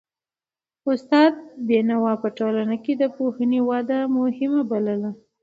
استاد بینوا په ټولنه کي د پوهنې وده مهمه بلله.